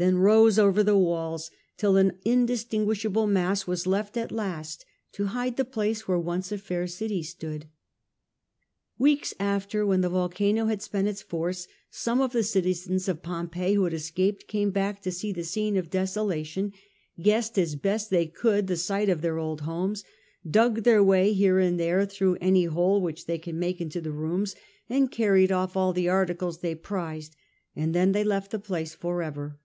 Titus, 163 then rose over the walls, till an indistinguishable mass was left at last to hide the place where once a fair city stood. Weeks after, when the volcano had spent its force, some of the citizens of Pompeii who had escaped came back to see the scene of desolation, guessed xhe survi as they best could the site of their old homes, dug their way here and there through any partially hole which they could make into the rooms, hou^Ls^ of to carry off all the articles they prized, and the city, then they left the place for ever.